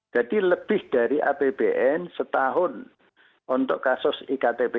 jadi lebih dari apbn setahun untuk kasus iktp